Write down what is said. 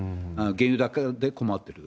原油高で困ってる。